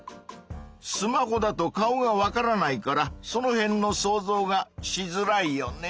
スマホだと顔がわからないからそのへんの想像がしづらいよね。